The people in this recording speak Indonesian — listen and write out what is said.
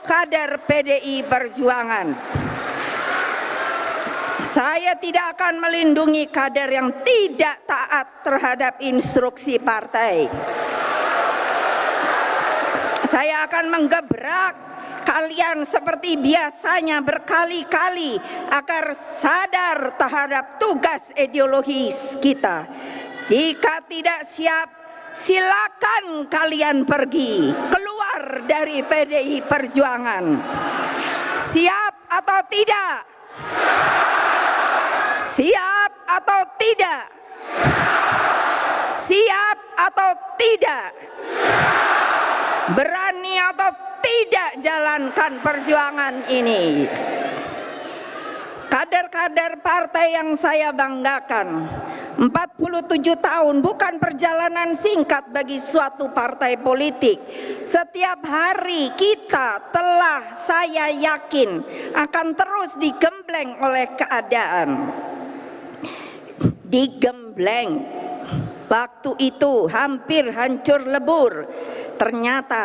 saya yakin akan terus digembleng oleh keadaan digembleng waktu itu hampir hancur lebur ternyata